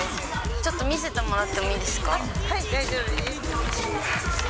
ちょっと見せてもらってもい大丈夫です。